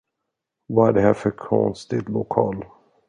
Vad är det här för konstig lokal?